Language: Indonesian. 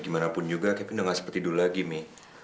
dimanapun juga kevin udah gak sepetidul lagi mi